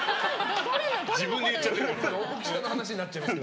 自分で言っちゃったよ。